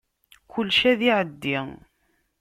Kulci ad iεeddi.